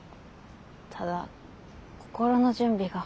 ただ心の準備が。